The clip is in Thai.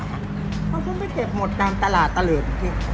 เพราะคุณไปเก็บหมดตามตลาดตะเลิศ